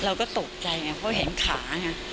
เราก็ตกใจไงเพราะเห็นขาไง